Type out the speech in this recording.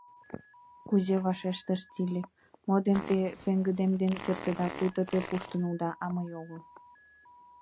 — Кузе, — вашештыш Тиилик, — мо дене те пеҥгыдемден кертыда, пуйто те пуштында, а мый огыл.